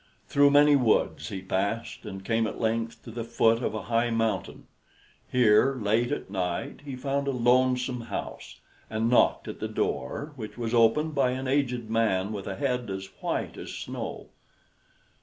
Through many woods he passed, and came at length to the foot of a high mountain. Here, late at night, he found a lonesome house, and knocked at the door, which was opened by an aged man with a head as white as snow.